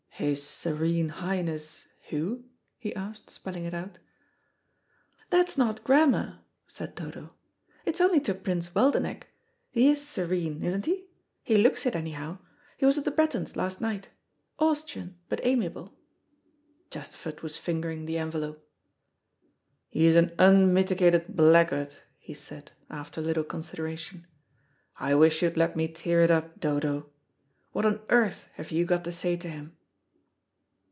"His Serene Highness who?" he asked, spelling it out. "That's not grammar," said Dodo. "It's only to Prince Waldenech. He is Serene, isn't he? He looks it, anyhow. He was at the Brettons' last night. Austrian but amiable." Chesterford was fingering the envelope. "He's an unmitigated blackguard," he said, after a little consideration. "I wish you'd let me tear it up, Dodo. What on earth have you got to say to him?"